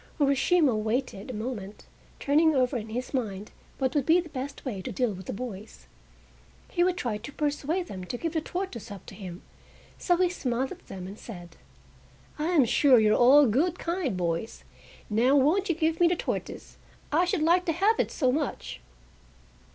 Urashima waited a moment, turning over in his mind what would be the best way to deal with the boys. He would try to persuade them to give the tortoise up to him, so he smiled at them and said: "I am sure you are all good, kind boys! Now won't you give me the tortoise? I should like to have it so much!"